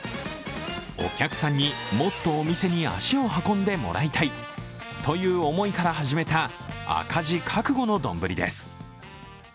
お客さんにもっとお店に足を箱ってもらいたいという思いから始めた赤字覚悟の丼です。